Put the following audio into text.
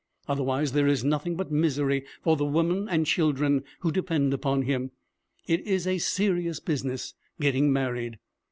Otherwise there is nothing but misery for the woman and children who depend upon him. It is a serious business, getting married.'